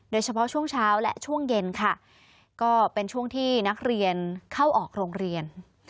โดยเฉพาะช่วงเช้าและช่วงเย็นค่ะก็เป็นช่วงที่นักเรียนเข้าออกโรงเรียน